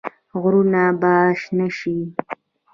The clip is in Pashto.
غرونه به شنه شي.